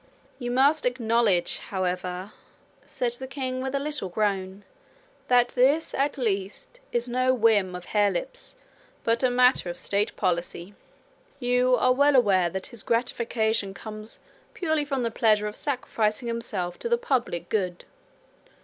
'You must acknowledge, however,' the king said, with a little groan, 'that this at least is no whim of Harelip's, but a matter of State policy. You are well aware that his gratification comes purely from the pleasure of sacrificing himself to the public good.